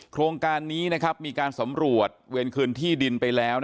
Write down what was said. โครงการนี้มีการสำรวจเวรคืนที่ดินไปแล้ว